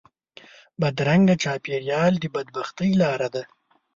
بدرنګه چال د بد بختۍ لاره ده